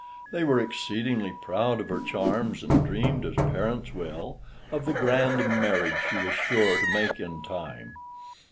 They were exceedingly proud of her charms, and dreamed, as parents will, of the grand marriage she was sure to make in time.